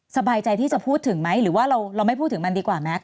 สบายใจที่จะพูดถึงไหมหรือว่าเราไม่พูดถึงมันดีกว่าแม็ก